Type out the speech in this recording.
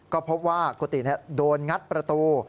ก็พบว่ากุฏิโดนงัดประตู